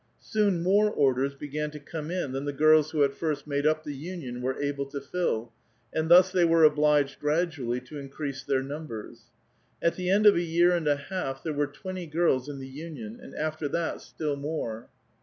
Soon more orders begnn to come in than the girls who at first made up the union were able to fill, and thus they were obliged gradually to increase their numbers. At the end of a year and a half there were twenty girls in the union, and after that still more.